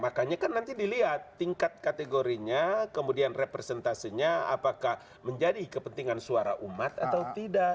makanya kan nanti dilihat tingkat kategorinya kemudian representasinya apakah menjadi kepentingan suara umat atau tidak